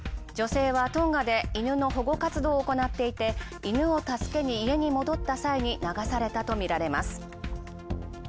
女性はトンガで犬の保護活動を行って犬を助けに家に戻った際に流されたとみられます。